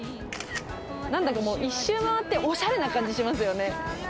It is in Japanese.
なんだかもう、一周まわっておしゃれな感じしますよね。